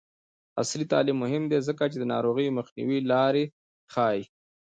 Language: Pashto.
عصري تعلیم مهم دی ځکه چې د ناروغیو مخنیوي لارې ښيي.